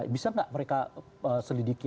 bisa nggak mereka selidiki